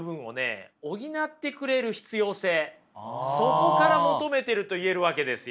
そこから求めてるといえるわけですよ。